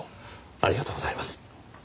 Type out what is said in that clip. ありがとうございます。